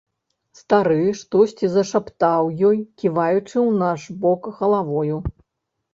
Стары штосьці зашаптаў ёй, ківаючы ў наш бок галавою.